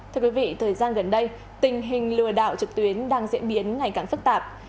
thưa quý vị thời gian gần đây tình hình lừa đảo trực tuyến đang diễn biến ngày càng phức tạp